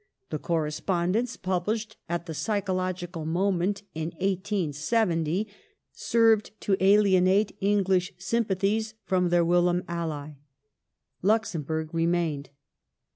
The correspondence, published at the psychological mo ment in 1870, served to alienate English sympathies from their whilom ally. Luxemburg remained.